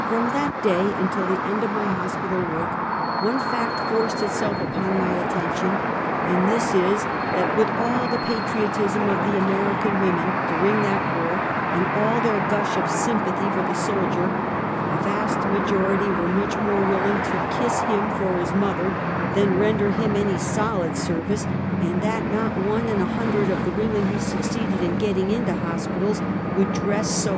From that day until the end of my hospital work, one fact forced itself upon my attention, and this is, that with all the patriotism of the American women, during that war, and all their gush of sympathy for the soldier, a vast majority were much more willing to "kiss him for his mother" than render him any solid service, and that not one in a hundred of the women who succeeded in getting into hospitals would dress so Hospital Dkess.